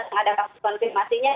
yang ada faktor konfirmasinya